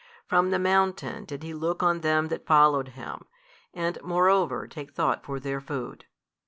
From the mountain did He look on them that followed Him, and moreover take thought for their food.